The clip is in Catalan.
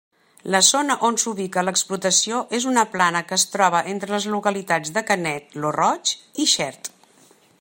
La zona on s'ubica l'explotació és una plana que es troba entre les localitats de Canet lo Roig i Xert.